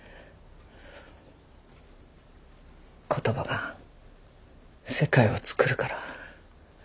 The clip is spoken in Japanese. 言葉が世界をつくるから。